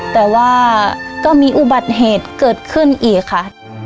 แต่ว่าก็มีอุบัติเหตุเกิดขึ้นอีกค่ะ